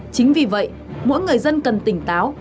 chính vì vậy mỗi người dân cần tỉnh táo